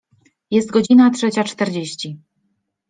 Jest godzina trzecia czterdzieści.